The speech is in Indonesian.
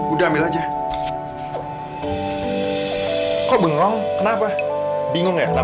udah ambil aja